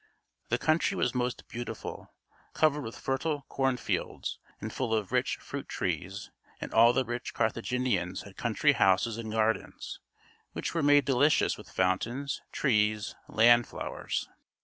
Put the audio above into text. The country was most beautiful, covered with fertile corn fields and full of rich fruit trees, and all the rich Carthaginians had country houses and gardens, which were made delicious with fountains, trees, land flowers.